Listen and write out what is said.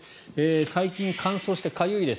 最近、乾燥してかゆいです。